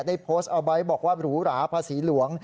ได้โพสต์เอาไว้บอกว่าหรูหราภาษีหลวง